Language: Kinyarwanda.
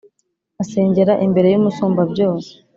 asengera imbere y’Umusumbabyose,